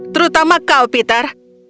terutama kau peter